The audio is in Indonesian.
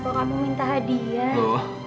kok kamu minta hadiah